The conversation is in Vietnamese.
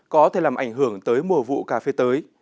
có thể làm ảnh hưởng tới mùa vụ cà phê tới